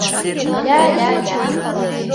Ля-ля-ля!